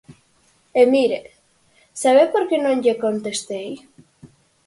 E mire, ¿sabe por que non lle contestei?